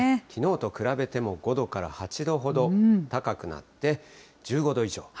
きのうと比べても５度から８度ほど高くなって、１５度以上。